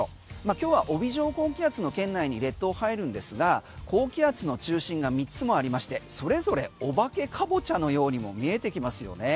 今日は帯状高気圧の圏内に列島、入るんですが高気圧の中心が３つもありましてそれぞれお化けカボチャのようにも見えてきますよね。